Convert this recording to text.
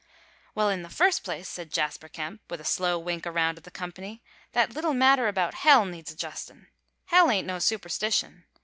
"Well, in the first place," said Jasper Kemp, with a slow wink around at the company, "that little matter about hell needs adjustin'. Hell ain't no superstition.